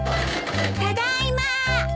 ただいま。